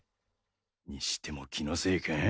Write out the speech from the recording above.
にしても気のせいか？